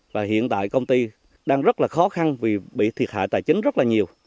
và hiện tại công ty đang rất là khó khăn vì bị thiệt hại tài chính rất là nhiều